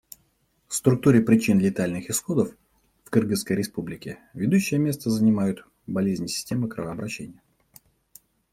В структуре причин летальных исходов в Кыргызской Республике ведущее место занимают болезни системы кровообращения.